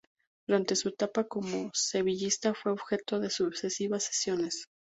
Durante su etapa como sevillista fue objeto de sucesivas cesiones.